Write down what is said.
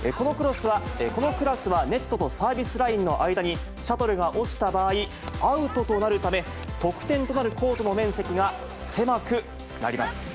このクラスは、ネットとサービスラインの間にシャトルが落ちた場合、アウトとなるため、得点となるコートの面積が狭くなります。